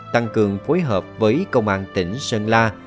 tăng cường phối hợp với công an tỉnh sơn la